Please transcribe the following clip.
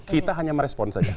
kita hanya merespon saja